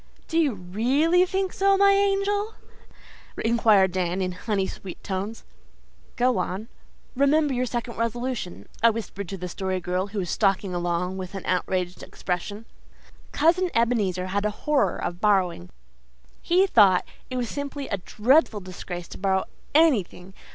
"Do you REALLY think so, my angel?" inquired Dan, in honey sweet tones. "Go on. Remember your second resolution," I whispered to the Story Girl, who was stalking along with an outraged expression. The Story Girl swallowed something and went on. "Cousin Ebenezer had a horror of borrowing. He thought it was simply a dreadful disgrace to borrow ANYTHING.